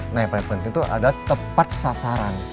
nah yang paling penting itu adalah tepat sasaran